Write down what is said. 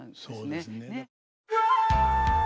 そうですね。